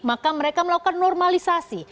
maka mereka melakukan normalisasi